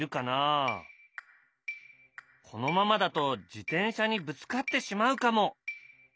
このままだと自転車にぶつかってしまうかも？